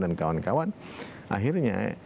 dan kawan kawan akhirnya